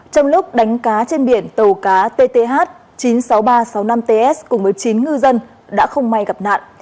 trong lúc đánh cá trên biển tàu cá tth chín mươi sáu nghìn ba trăm sáu mươi năm ts cùng với chín ngư dân đã không may gặp nạn